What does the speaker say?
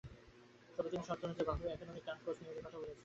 তবে তিনি শর্ত হিসেবে বাফুফের একাডেমিতে ডাচ কোচ নিয়োগের কথা বলেছেন।